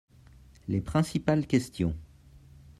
Les principales questions.